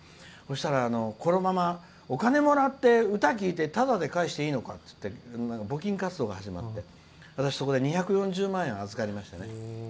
そしたらこのままお金をもらって歌聴いて、ただで帰していいのかって言って募金活動が始まって私、そこで２４０万円を預かりまして。